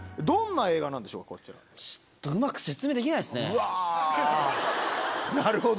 うわなるほど。